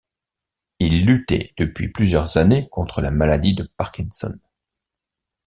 Il luttait depuis plusieurs années contre la maladie de Parkinson.